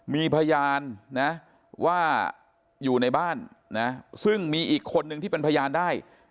มีพยานนะว่าอยู่ในบ้านนะซึ่งมีอีกคนนึงที่เป็นพยานได้